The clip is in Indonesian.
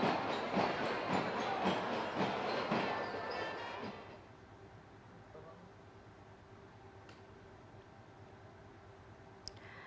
perjalanan ke halaman atau wilayah monas